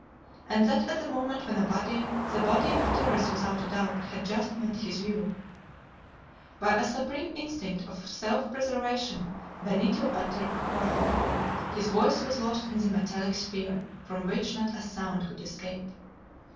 And that at the moment when a body the body of Torres without a doubt! had just met his view. By a supreme instinct of self preservation Benito uttered a cry. His voice was lost in the metallic sphere from which not a sound could escape!